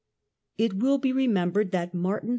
It will be remembered that Martin V.